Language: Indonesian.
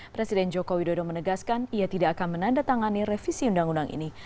presiden joko widodo menegaskan ia tidak akan menandatangani revisi undang undang ini